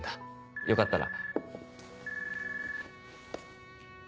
よかったら。